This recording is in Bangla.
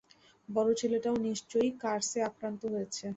বড় ছেলেটাও নিশ্চয়ই কার্সে আক্রান্ত হয়েছে।